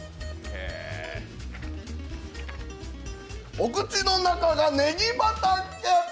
お口の中がねぎ畑！